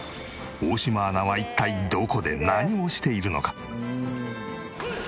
大島アナは一体どこで何をしているのか？